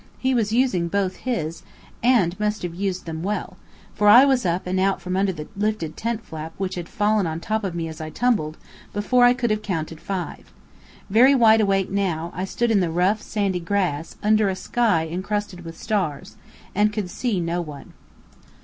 He was using both his, and must have used them well, for I was up and out from under the lifted tent flap which had fallen on top of me as I tumbled, before I could have counted five. Very wide awake now, I stood in the rough, sandy grass, under a sky encrusted with stars, and could see no one.